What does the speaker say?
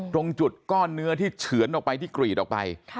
ตรงจุดก้อนเนื้อที่เฉือนออกไปที่กรีดออกไป